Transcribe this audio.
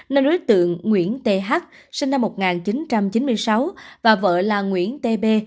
năm đối tượng nguyễn thê hắc sinh năm một nghìn chín trăm chín mươi sáu và vợ là nguyễn thê bê